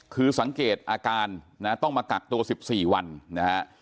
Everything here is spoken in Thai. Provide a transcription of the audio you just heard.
คือสังเกตอาการนะต้องมากักตัว๑๔วันนะฮะ